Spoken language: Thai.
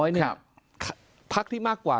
เนี่ยภักดิ์ที่มากกว่า